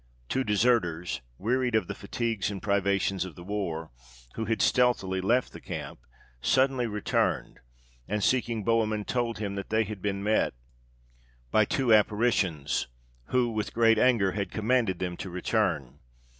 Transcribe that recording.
Two deserters, wearied of the fatigues and privations of the war, who had stealthily left the camp, suddenly returned, and seeking Bohemund, told him that they had been met by two apparitions, who, with great anger, had commanded them to return.